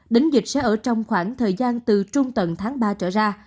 đỉnh dịch sẽ ở trong khoảng thời gian từ trung tầng tháng ba trở ra